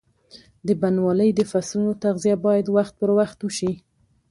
د بڼوالۍ د فصلونو تغذیه باید وخت پر وخت وشي.